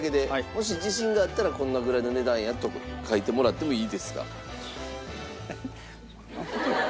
もし自信があったらこんなぐらいの値段やと書いてもらってもいいですが。